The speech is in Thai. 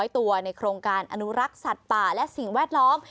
ตัวในโครงการอนุรักษ์สัตว์ป่าและสิ่งแวดล้อม